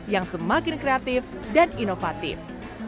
yang semakin kreatif dan inovatif